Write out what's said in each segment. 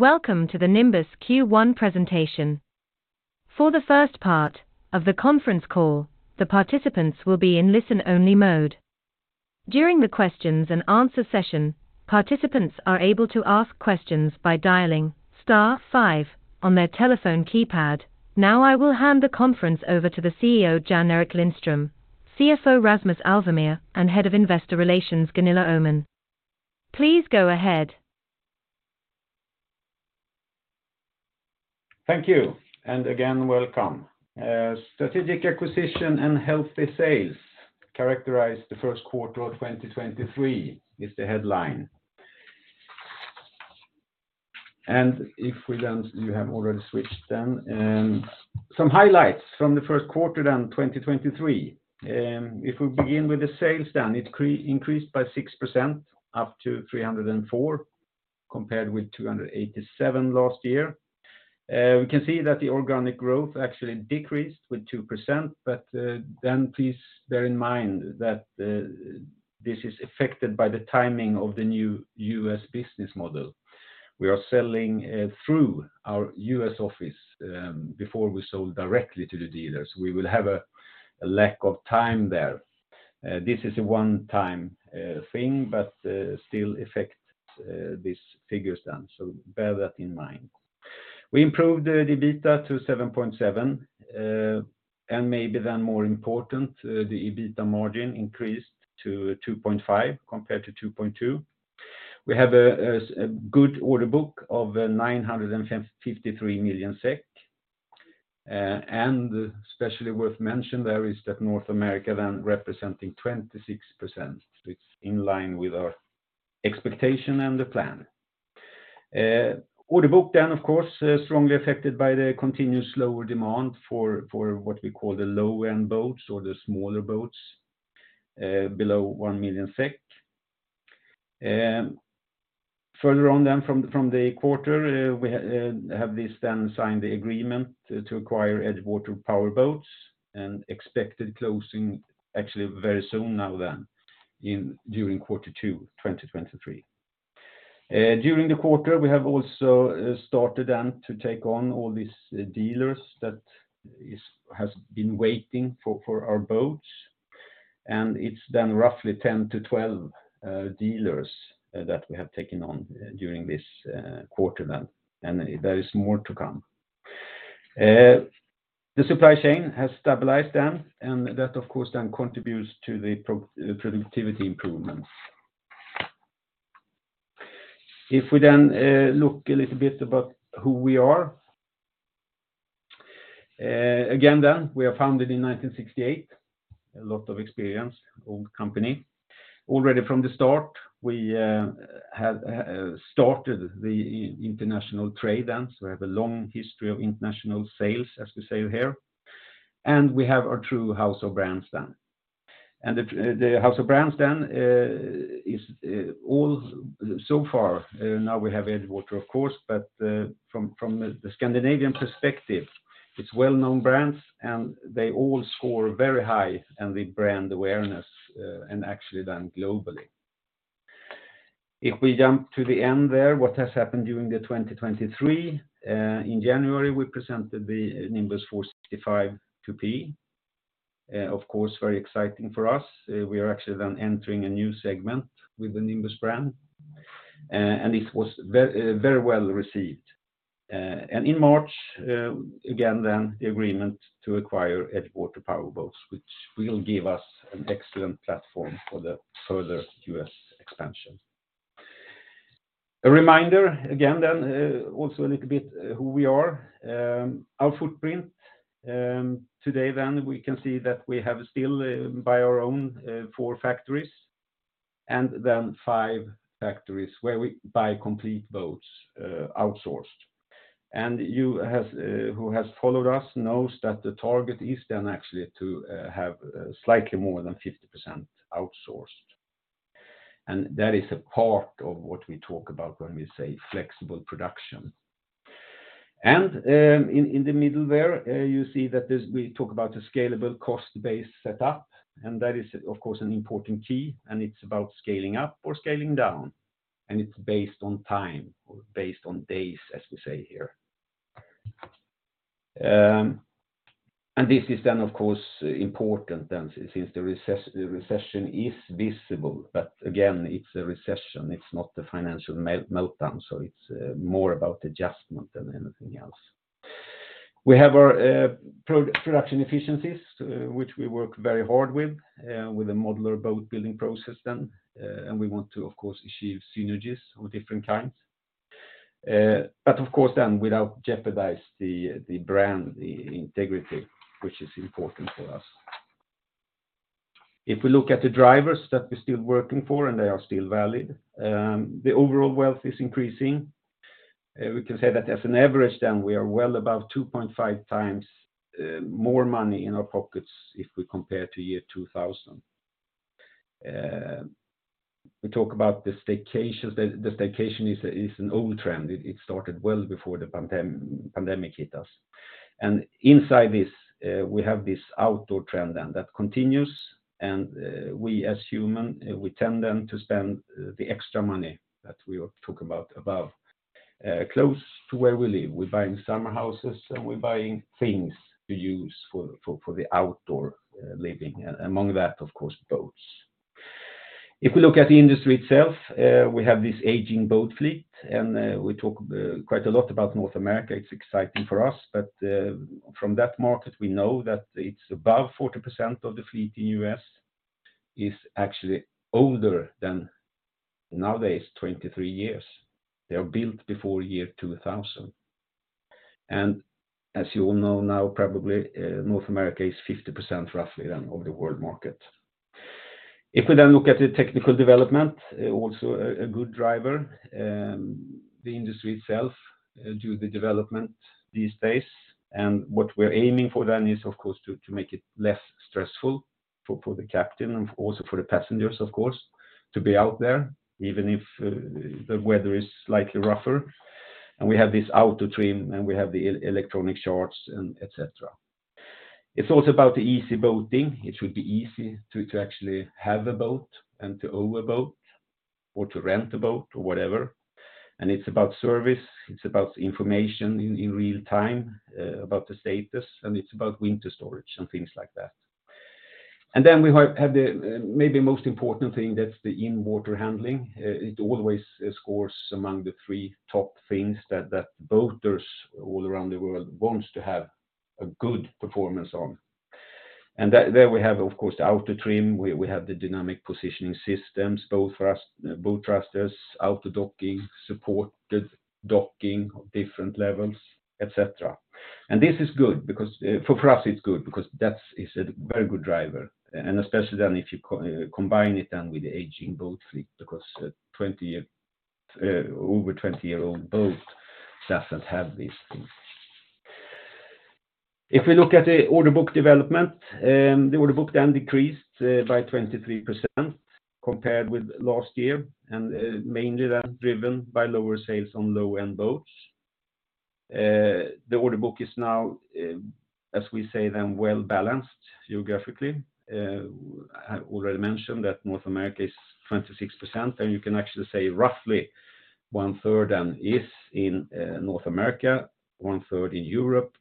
Welcome to the Nimbus Q1 presentation. For the first part of the conference call, the participants will be in listen only mode. During the questions and answer session, participants are able to ask questions by dialing star five on their telephone keypad. Now I will hand the conference over to the CEO, Jan-Erik Lindström, CFO, Rasmus Alvemyr, and Head of Investor Relations, Gunilla Öhman. Please go ahead. Thank you, again, welcome. Strategic acquisition and healthy sales characterize the first quarter of 2023, is the headline. You have already switched. Some highlights from the first quarter, 2023. It increased by 6% up to 304, compared with 287 last year. We can see that the organic growth actually decreased with 2%, please bear in mind that this is affected by the timing of the new US business model. We are selling through our US office before we sold directly to the dealers. We will have a lack of time there. This is a one time thing, still affects these figures. Bear that in mind. We improved the EBITDA to 7.7. Maybe then more important, the EBITDA margin increased to 2.5 compared to 2.2. We have a good order book of 953 million SEK. Especially worth mentioning there is that North America then representing 26%. It's in line with our expectation and the plan. Order book, of course, strongly affected by the continuous lower demand for what we call the low-end boats or the smaller boats, below 1 million SEK. Further on from the quarter, we have this signed the agreement to acquire EdgeWater Power Boats and expected closing actually very soon now during quarter two, 2023. During the quarter, we have also started then to take on all these dealers that has been waiting for our boats. It's then roughly 10-12 dealers that we have taken on during this quarter then, and there is more to come. The supply chain has stabilized then, and that, of course, then contributes to the productivity improvements. If we then look a little bit about who we are. Again, then, we are founded in 1968, a lot of experience, old company. Already from the start, we have started the international trade then, so we have a long history of international sales, as we say here. We have our true house of brands then. The house of brands then is all so far, now we have EdgeWater, of course. From the Scandinavian perspective, it's well-known brands, and they all score very high in the brand awareness, and actually then globally. If we jump to the end there, what has happened during 2023, in January, we presented the Nimbus 465 Coupé. Of course, very exciting for us. We are actually then entering a new segment with the Nimbus brand. It was very well received. In March, again, then the agreement to acquire EdgeWater Power Boats, which will give us an excellent platform for the further U.S. expansion. A reminder again then, also a little bit, who we are. Our footprint today then we can see that we have still by our own four factories and then five factories where we buy complete boats outsourced. You have who has followed us knows that the target is then actually to have slightly more than 50% outsourced. That is a part of what we talk about when we say flexible production. In the middle there, you see that we talk about the scalable cost base set up, and that is of course an important key, and it's about scaling up or scaling down, and it's based on time or based on days, as we say here. This is then of course, important then since the recession is visible. Again, it's a recession. It's not the financial meltdown, it's more about adjustment than anything else. We have our production efficiencies, which we work very hard with a modular boat building process then. We want to of course achieve synergies of different kinds. Of course then without jeopardize the brand, the integrity, which is important for us. If we look at the drivers that we're still working for, they are still valid, the overall wealth is increasing. We can say that as an average then we are well above 2.5 times more money in our pockets if we compare to year 2000. We talk about the staycations. The staycation is an old trend. It started well before the pandemic hit us. Inside this, we have this outdoor trend then that continues, and we as human, we tend then to spend the extra money that we talk about close to where we live. We're buying summer houses, we're buying things to use for the outdoor living, among that, of course, boats. If we look at the industry itself, we have this aging boat fleet. We talk quite a lot about North America. It's exciting for us. From that market, we know that it's above 40% of the fleet in U.S. is actually older than nowadays 23 years. They are built before year 2000. As you all know now probably, North America is 50% roughly than of the world market. If we then look at the technical development, also a good driver, the industry itself, due to the development these days, and what we're aiming for then is, of course, to make it less stressful for the captain and also for the passengers, of course, to be out there, even if the weather is slightly rougher. We have this auto trim, and we have the electronic charts and et cetera. It's also about the easy boating. It should be easy to actually have a boat and to own a boat or to rent a boat or whatever. It's about service, it's about information in real time about the status, and it's about winter storage and things like that. We have the maybe most important thing, that's the in-water handling. It always scores among the three top things that boaters all around the world wants to have a good performance on. There we have, of course, the auto trim. We have the dynamic positioning systems, bow thrusters, auto docking, supported docking of different levels, et cetera. This is good because for us it's good because that's is a very good driver, and especially then if you combine it then with the aging boat fleet because 20 year, over 20-year-old boat doesn't have these things. If we look at the order book development, the order book then decreased by 23% compared with last year, mainly then driven by lower sales on low-end boats. The order book is now, as we say then, well-balanced geographically. I already mentioned that North America is 26%, you can actually say roughly one-third then is in North America, one-third in Europe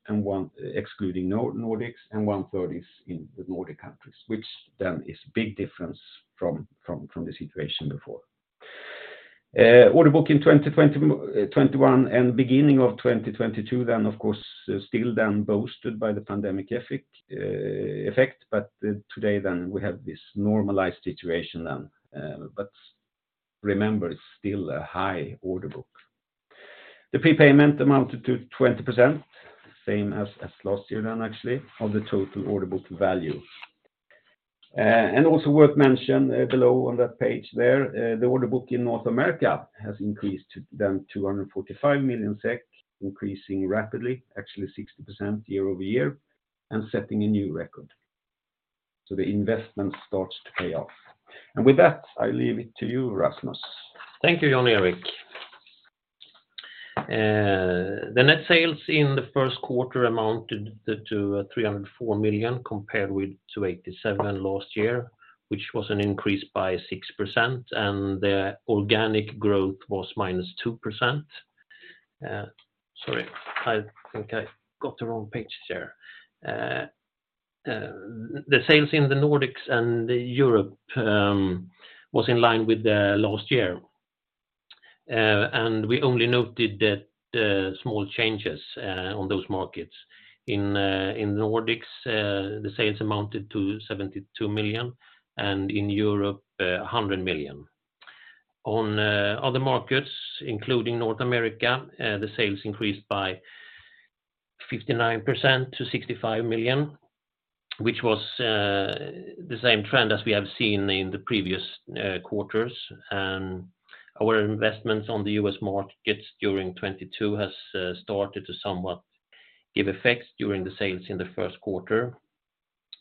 excluding Nordics, and one-third is in the Nordic countries, which then is big difference from the situation before. Order book in 2020, 2021 and beginning of 2022 then of course still then boosted by the pandemic effect, today then we have this normalized situation then. Remember, it's still a high order book. The prepayment amounted to 20%, same as last year then actually, of the total order book value. Also worth mention, below on that page there, the order book in North America has increased to then 245 million SEK, increasing rapidly, actually 60% year-over-year and setting a new record. The investment starts to pay off. With that, I leave it to you, Rasmus. Thank you, Jan-Erik. The net sales in the first quarter amounted to 304 million compared with 287 last year, which was an increase by 6%, the organic growth was -2%. Sorry, I think I got the wrong page there. The sales in the Nordics and Europe was in line with last year. We only noted that small changes on those markets. In Nordics, the sales amounted to 72 million, in Europe, 100 million. On other markets, including North America, the sales increased by 59% to 65 million, which was the same trend as we have seen in the previous quarters. Our investments on the U.S. markets during 2022 has started to somewhat give effects during the sales in the first quarter.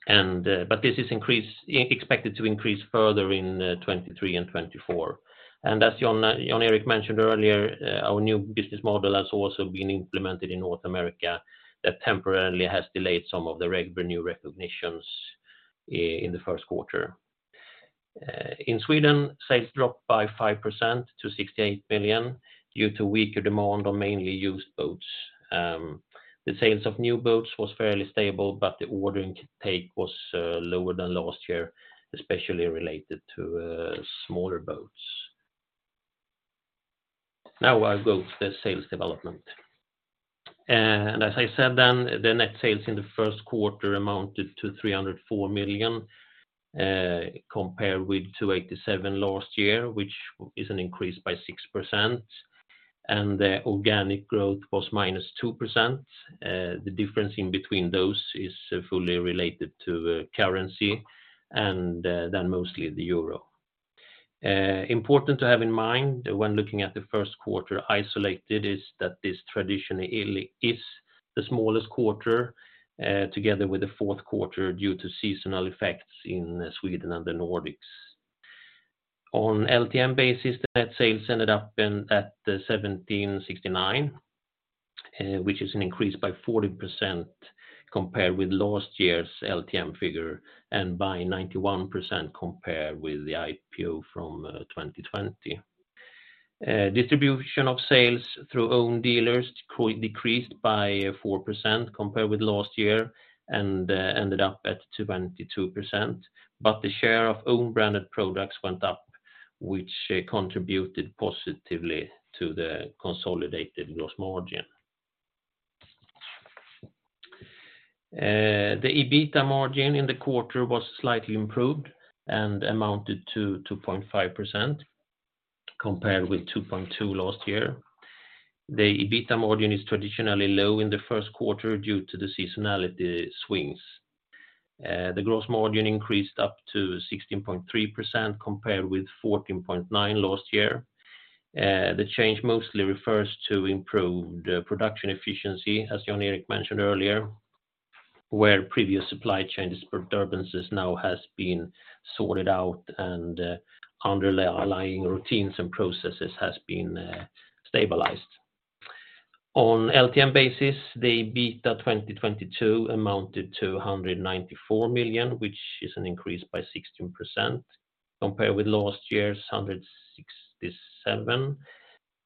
But this is expected to increase further in 2023 and 2024. As Jan-Erik Lindström mentioned earlier, our new business model has also been implemented in North America that temporarily has delayed some of the revenue recognitions in the first quarter. In Sweden, sales dropped by 5% to 68 million due to weaker demand on mainly used boats. The sales of new boats was fairly stable, but the ordering take was lower than last year, especially related to smaller boats. Now I go to the sales development. As I said then, the net sales in the first quarter amounted to 304 million, compared with 287 last year, which is an increase by 6%, the organic growth was minus 2%. The difference in between those is fully related to currency and then mostly the euro. Important to have in mind when looking at the first quarter isolated is that this traditionally is the smallest quarter, together with the fourth quarter due to seasonal effects in Sweden and the Nordics. On LTM basis, net sales ended up in at 1,769, which is an increased by 40% compared with last year's LTM figure and by 91% compared with the IPO from 2020. Distribution of sales through own dealers decreased by 4% compared with last year and ended up at 22%. The share of own branded products went up, which contributed positively to the consolidated gross margin. The EBITA margin in the quarter was slightly improved and amounted to 2.5% compared with 2.2% last year. The EBITA margin is traditionally low in the first quarter due to the seasonality swings. The gross margin increased up to 16.3% compared with 14.9% last year. The change mostly refers to improved production efficiency, as Jan-Erik mentioned earlier, where previous supply chain disturbances now has been sorted out and underlying routines and processes has been stabilized. On LTM basis, the EBITA 2022 amounted to 194 million, which is an increase by 16% compared with last year's 167.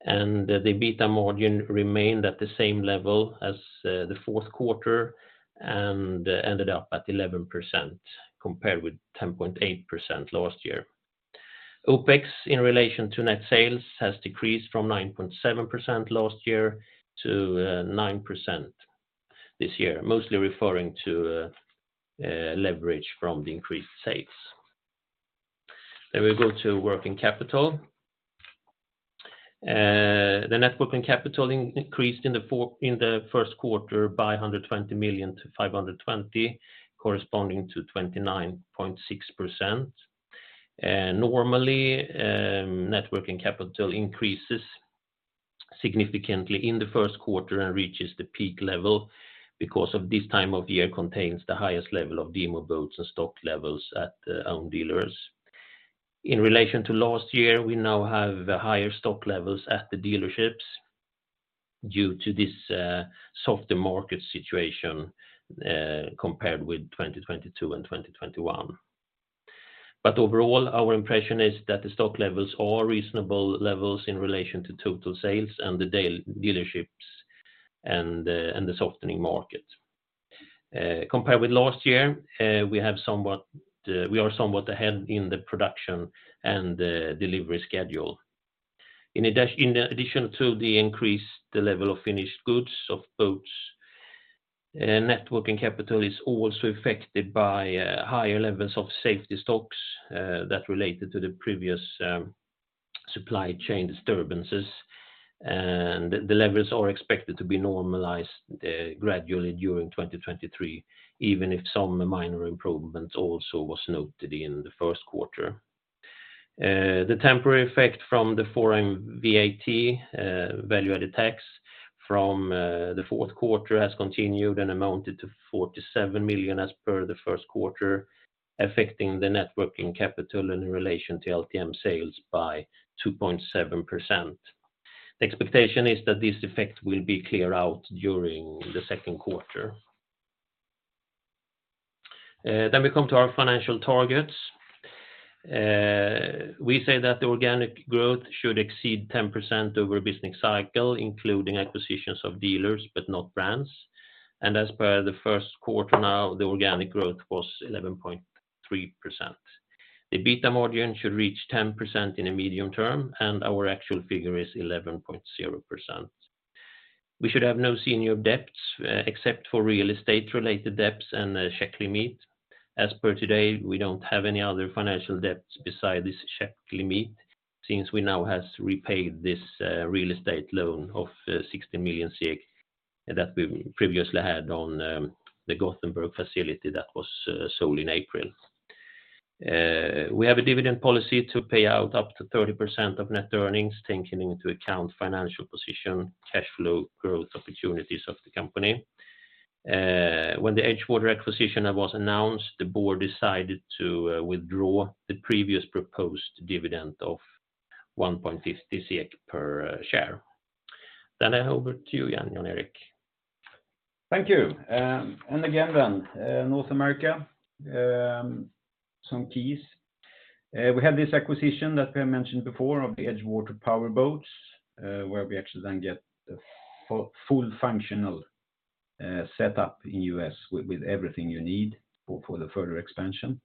The EBITA margin remained at the same level as the fourth quarter and ended up at 11% compared with 10.8% last year. OPEX in relation to net sales has decreased from 9.7% last year to 9% this year, mostly referring to leverage from the increased sales. We go to working capital. The net working capital increased in the first quarter by 120 million to 520 corresponding to 29.6%. Normally, net working capital increases significantly in the first quarter and reaches the peak level because of this time of year contains the highest level of demo boats and stock levels at own dealers. In relation to last year, we now have higher stock levels at the dealerships due to this softer market situation compared with 2022 and 2021. Overall, our impression is that the stock levels are reasonable levels in relation to total sales and the dealerships and the softening market. Compared with last year, we have somewhat, we are somewhat ahead in the production and the delivery schedule. In addition to the increased the level of finished goods of boats, net working capital is also affected by higher levels of safety stocks that related to the previous supply chain disturbances. The levels are expected to be normalized gradually during 2023, even if some minor improvements also was noted in the first quarter. The temporary effect from the foreign VAT, value-added tax from the fourth quarter has continued and amounted to 47 million as per the first quarter, affecting the net working capital in relation to LTM sales by 2.7%. The expectation is that this effect will be clear out during the second quarter. We come to our financial targets. We say that the organic growth should exceed 10% over a business cycle, including acquisitions of dealers but not brands. As per the first quarter now, the organic growth was 11.3%. The EBITA margin should reach 10% in a medium term, and our actual figure is 11.0%. We should have no senior debts, except for real estate related debts and a check limit. As per today, we don't have any other financial debts beside this check limit since we now has repaid this real estate loan of 60 million SEK that we previously had on the Gothenburg facility that was sold in April. We have a dividend policy to pay out up to 30% of net earnings, taking into account financial position, cash flow, growth opportunities of the company. When the EdgeWater acquisition was announced, the board decided to withdraw the previous proposed dividend of 1.50 SEK per share. Over to you again, Jan-Erik. Thank you. Again then, North America, some keys. We have this acquisition that we have mentioned before of the EdgeWater Power Boats, where we actually then get a full functional setup in U.S. with everything you need for the further expansion.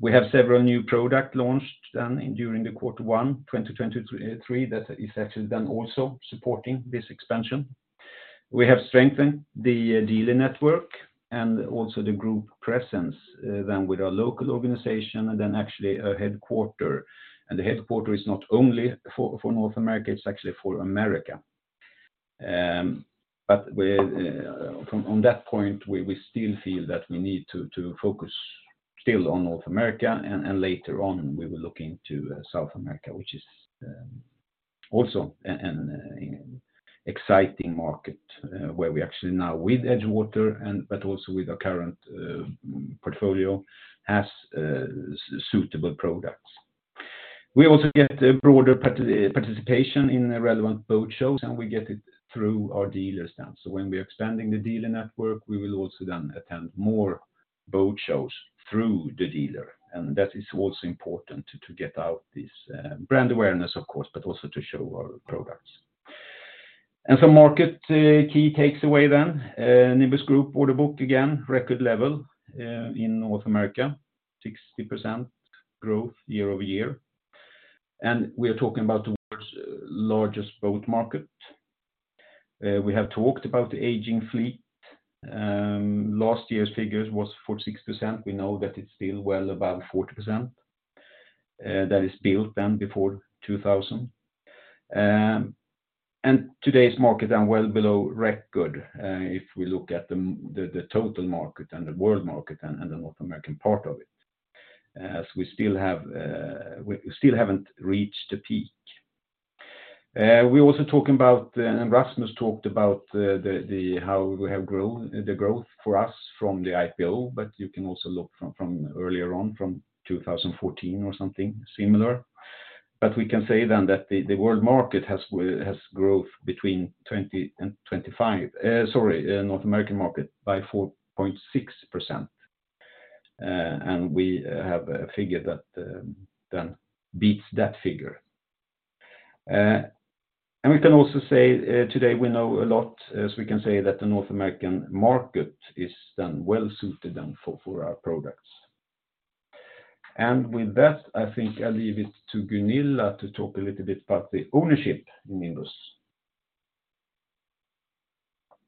We have several new product launched then during the quarter one, 2023, three that is actually then also supporting this expansion. We have strengthened the dealer network and also the group presence, then with our local organization and then actually a headquarter. The headquarter is not only for North America, it's actually for America. We're from on that point, we still feel that we need to focus still on North America and later on, we will look into South America, which is also an exciting market, where we actually now with EdgeWater and but also with our current portfolio has suitable products. We also get a broader participation in relevant boat shows. We get it through our dealers now. When we are expanding the dealer network, we will also then attend more boat shows through the dealer. That is also important to get out this brand awareness, of course, but also to show our products. Some market key takes away then, Nimbus Group order book again, record level, in North America, 60% growth year-over-year. We are talking about the world's largest boat market. We have talked about the aging fleet. Last year's figures was 46%. We know that it's still well above 40% that is built then before 2000. Today's market are well below record if we look at the total market and the world market and the North American part of it, as we still have, we still haven't reached the peak. We're also talking about, and Rasmus talked about the how we have grown, the growth for us from the IPO, but you can also look from earlier on, from 2014 or something similar. We can say that the North American market has growth by 4.6%. We have a figure that beats that figure. We can also say, today we know a lot, as we can say that the North American market is well-suited for our products. With that, I think I leave it to Gunilla Öhman to talk a little bit about the ownership in Nimbus.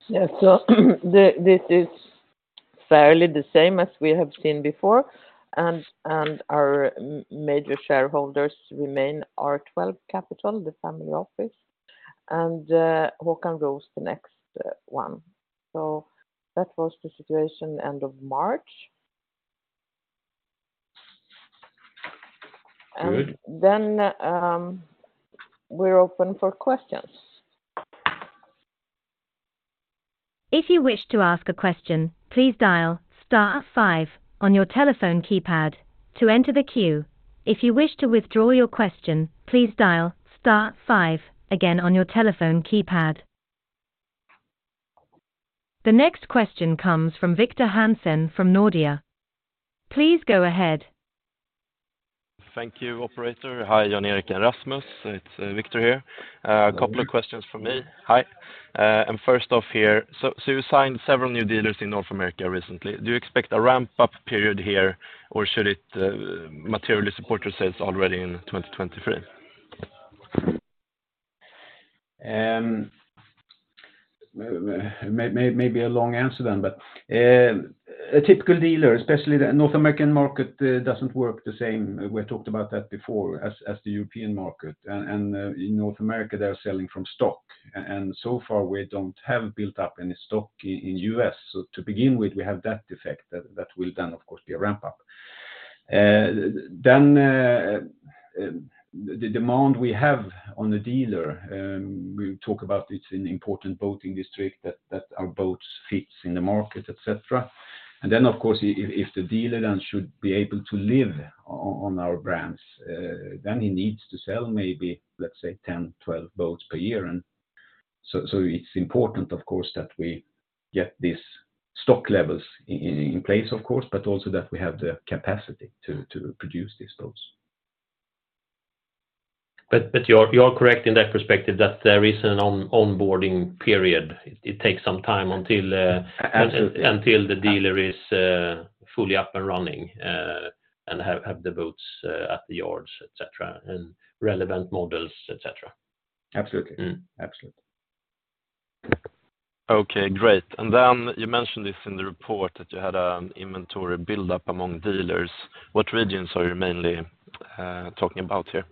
Yeah. This is fairly the same as we have seen before. Our major shareholders remain R12 Capital, the family office, and Håkan Roos the next one. That was the situation end of March. Good. We're open for questions. If you wish to ask a question, please dial star five on your telephone keypad to enter the queue. If you wish to withdraw your question, please dial star five again on your telephone keypad. The next question comes from Victor Hansen from Nordea. Please go ahead. Thank you, operator. Hi, Jan-Erik and Rasmus. It's Victor here. Good morning. A couple of questions from me. Hi. First off here, so you signed several new dealers in North America recently. Do you expect a ramp-up period here, or should it materially support your sales already in 2023? Maybe a long answer then, a typical dealer, especially the North American market, doesn't work the same, we have talked about that before, as the European market. In North America, they are selling from stock. So far, we don't have built up any stock in U.S. To begin with, we have that effect that will then of course be a ramp-up. The demand we have on the dealer, we talk about it's an important boating district that our boats fits in the market, et cetera. Of course, if the dealer then should be able to live on our brands, then he needs to sell maybe, let's say, 10, 12 boats per year. It's important of course, that we get these stock levels in place of course, but also that we have the capacity to produce these boats. You're correct in that perspective that there is an onboarding period. It takes some time until. Absolutely... until the dealer is fully up and running and have the boats at the yards, et cetera, and relevant models, et cetera. Absolutely. Mm-hmm. Absolutely. Okay, great. You mentioned this in the report that you had, inventory build up among dealers. What regions are you mainly talking about here?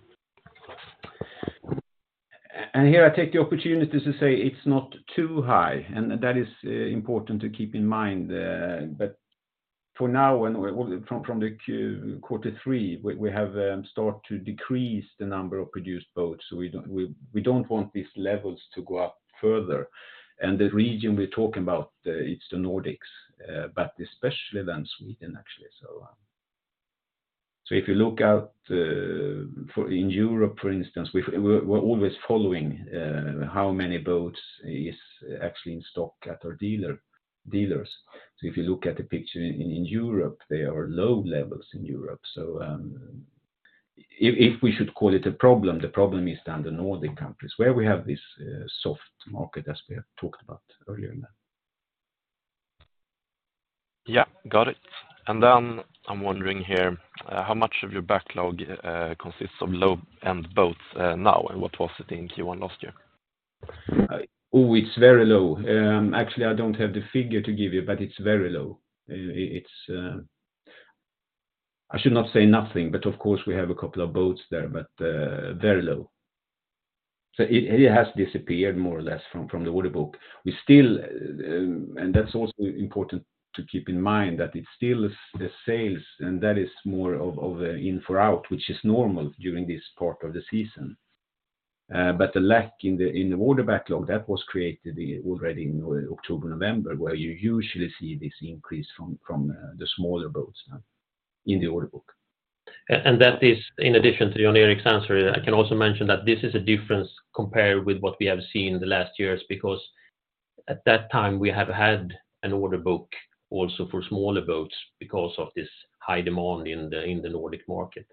Here I take the opportunity to say it's not too high, and that is important to keep in mind. But for now, when from quarter three, we have start to decrease the number of produced boats. We don't want these levels to go up further. The region we're talking about, it's the Nordics, but especially then Sweden actually. If you look out for in Europe, for instance, we're always following how many boats is actually in stock at our dealers. If you look at the picture in Europe, there are low levels in Europe. If we should call it a problem, the problem is then the Nordic countries where we have this soft market as we have talked about earlier now. Yeah. Got it. I'm wondering here, how much of your backlog consists of low-end boats now, and what was it in Q1 last year? Oh, it's very low. Actually, I don't have the figure to give you, but it's very low. It, it's, I should not say nothing, but of course we have a couple of boats there, but very low. It, it has disappeared more or less from the order book. We still, and that's also important to keep in mind that it still is the sales, and that is more of in for out, which is normal during this part of the season. The lack in the, in the order backlog that was created, already in October, November, where you usually see this increase from the smaller boats now in the order book. That is in addition to Jan-Erik's answer, I can also mention that this is a difference compared with what we have seen in the last years, because at that time we have had an order book also for smaller boats because of this high demand in the, in the Nordic market.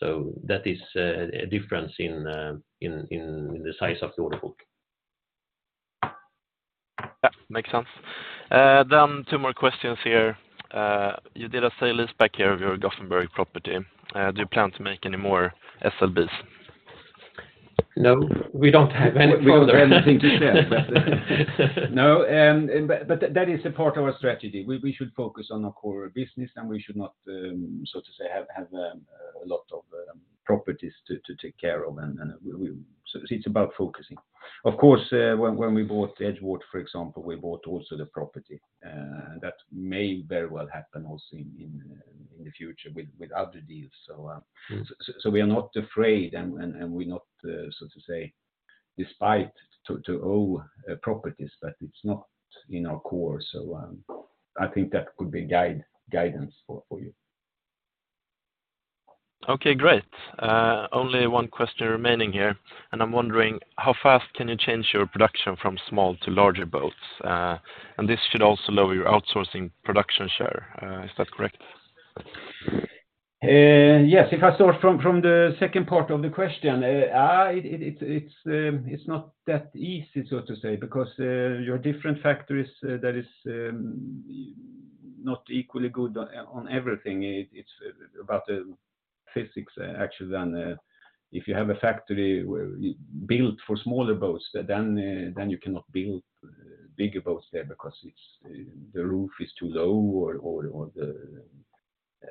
That is a difference in in the size of the order book. Yeah. Makes sense. Two more questions here. You did a sale leaseback here of your Gothenburg property. Do you plan to make any more SLBs? No, we don't have any further. We don't have anything to sell. No, that is a part of our strategy. We should focus on our core business, and we should not, so to say, have a lot of properties to take care of. It's about focusing. Of course, when we bought EdgeWater, for example, we bought also the property, and that may very well happen also in the future with other deals. We are not afraid and we're not, so to say, despite to owe properties, but it's not in our core. I think that could be guidance for you. Okay, great. Only one question remaining here, I'm wondering how fast can you change your production from small to larger boats? This should also lower your outsourcing production share. Is that correct? Yes. If I start from the second part of the question, it's not that easy so to say because your different factories, that is, not equally good on everything. It's about the physics actually than, if you have a factory where you built for smaller boats, then you cannot build bigger boats there because it's, the roof is too low or the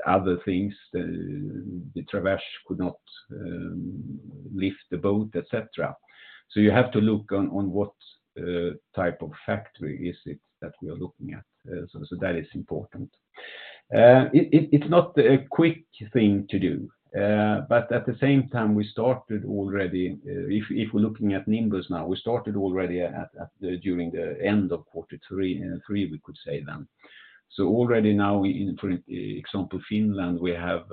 other things. The travel lift could not, lift the boat, et cetera. You have to look on what type of factory is it that we are looking at. That is important. It's not a quick thing to do. At the same time, we started already, if we're looking at Nimbus now, we started already during the end of quarter 3, we could say then. Already now we, in for example, Finland, we have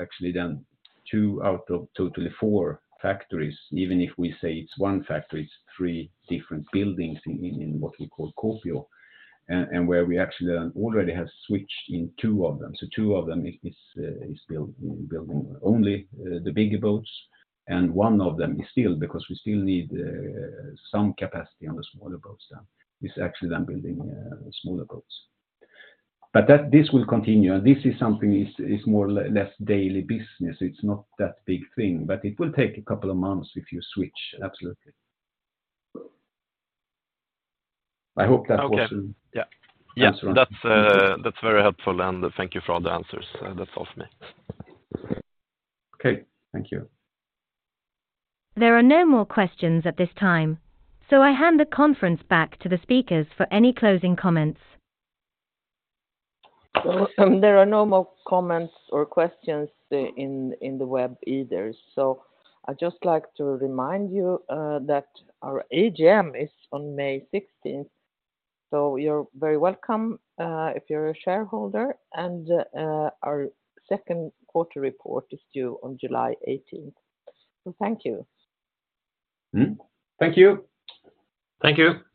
actually done two out of totally four factories. Even if we say it's one factory, it's three different buildings in what we call Kuopio. Where we actually done already have switched in two of them. One of them is building only the bigger boats, and one of them is still because we still need some capacity on the smaller boats then. It's actually done building smaller boats. This will continue, this is something is more or less daily business. It's not that big thing, but it will take a couple of months if you switch. Absolutely. I hope that was- Okay. Yeah. Yeah. That's right. That's very helpful. Thank you for all the answers. That's all from me. Okay. Thank you. There are no more questions at this time. I hand the conference back to the speakers for any closing comments. There are no more comments or questions, in the web either. I'd just like to remind you, that our AGM is on May 16th, you're very welcome, if you're a shareholder. Our second quarter report is due on July 18th. Thank you. Mm-hmm. Thank you. Thank you.